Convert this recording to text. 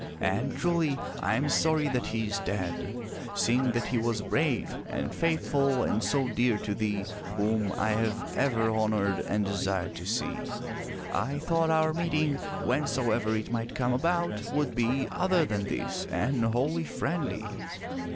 And truly I am sorry that he is dead, seeing that he was brave and faithful and so dear to thee whom I have ever honored and desired to see. I thought our meeting, whensoever it might come about, would be other than this, and wholly friendly."